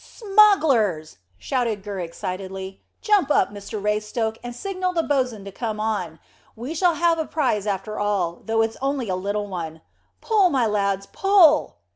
"Smugglers!" shouted Gurr excitedly. "Jump up, Mr Raystoke, and signal the bo's'n to come on. We shall have a prize after all, though it's only a little one. Pull my lads, pull?"